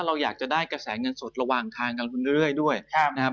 เราอยากจะได้กระแสเงินสดระหว่างทางกับคุณเรื่อยด้วยนะครับ